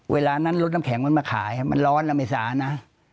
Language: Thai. เวลานั้นรถน้ำแข็งมันมาขายมันร้อนแล้วไม่สานะ